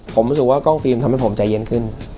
ผมรู้สึกว่ากล้องฟิล์มทำให้ผมใจเย็นขึ้น